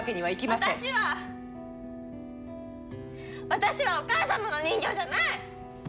私はお母様の人形じゃない！